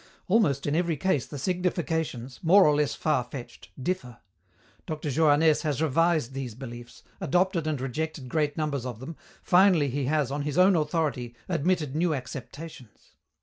Almost in every case the significations, more or less far fetched, differ. Dr. Johannès has revised these beliefs, adopted and rejected great numbers of them, finally he has, on his own authority, admitted new acceptations.